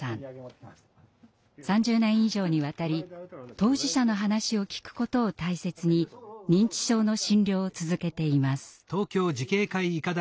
３０年以上にわたり当事者の話を聞くことを大切に認知症の診療を続けています。